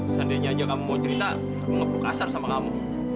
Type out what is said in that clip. seandainya aja kamu mau cerita kamu ngebuk kasar sama kamu